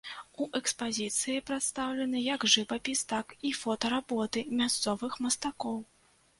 У экспазіцыі прадстаўлены як жывапіс, так і фотаработы мясцовых мастакоў.